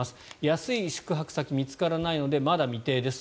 安い宿泊先が見つからないのでまだ未定です